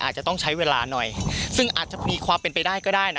อาจจะต้องใช้เวลาหน่อยซึ่งอาจจะมีความเป็นไปได้ก็ได้นะ